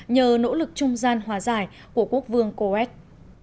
nhờ nỗ lực trung gian hòa giải của quốc vương coes